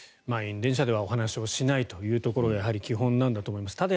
満員電車ではお話をしないというところがやはり基本だと思います。